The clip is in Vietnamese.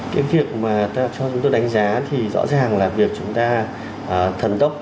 cái việc mà chúng tôi đánh giá thì rõ ràng là việc chúng ta thần tốc